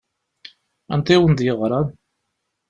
Anta i wen-d-yeɣṛan?